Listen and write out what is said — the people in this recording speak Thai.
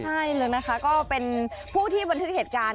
ใช่เลยนะคะก็เป็นผู้ที่บันทึกเหตุการณ์